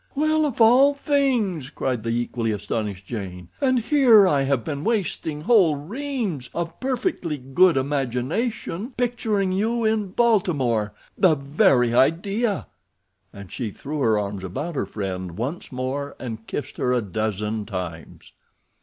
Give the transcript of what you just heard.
"Well, of all things!" cried the equally astonished Jane. "And here I have been wasting whole reams of perfectly good imagination picturing you in Baltimore—the very idea!" And she threw her arms about her friend once more, and kissed her a dozen times.